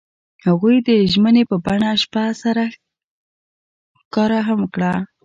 هغوی د ژمنې په بڼه شپه سره ښکاره هم کړه.